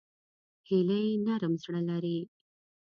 هیلۍ نرم زړه لري